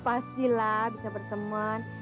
pastilah bisa berteman